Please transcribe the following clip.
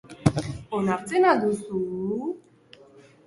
Onartzen al duzu?